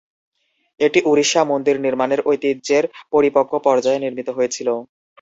এটি উড়িষ্যা মন্দির নির্মানের ঐতিহ্যের পরিপক্ব পর্যায়ে নির্মিত হয়েছিল।